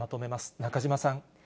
中島さん。